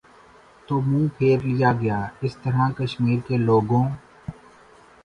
تو منہ پھیر لیا گیا اس طرح کشمیر کے لوگوں